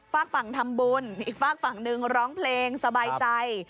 ฝากฝั่งทำบุญอีกฝากฝั่งหนึ่งร้องเพลงสบายใจ